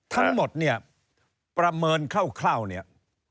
ทั้งหมดประเมินเข้าเนี่ย